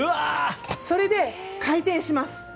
これで回転します。